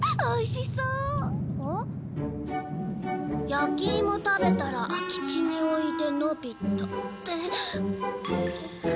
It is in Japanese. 「ヤキイモ食べたら空地においでのび太」って。